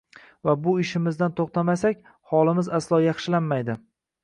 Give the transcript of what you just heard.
Va bu ishimizdan to‘xtamasak, holimiz aslo yaxshilanmaydi.